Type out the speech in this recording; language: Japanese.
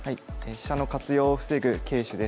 「飛車の活用を防ぐ軽手」です。